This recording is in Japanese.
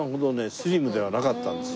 スリムではなかったんですよ。